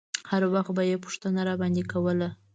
هر وخت به يې پوښتنه راباندې کوله.